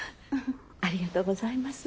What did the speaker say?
ありがとうございます。